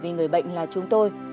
người bệnh là chúng tôi